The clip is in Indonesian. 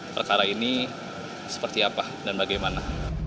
perkara ini seperti apa dan bagaimana